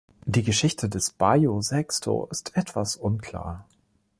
Die Geschichte des Bajo Sexto ist etwas unklar.